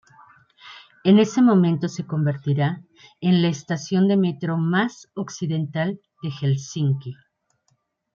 En ese momento se convertirá en la estación de metro más occidental de Helsinki.